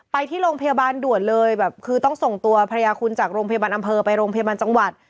ไปที่โรงพยาบาลด่วนเลยแบบคือต้องส่งตัวภรรยาคุณจากโรงพยาบาลอำเภอไปโรงพยาบาลจังหวัด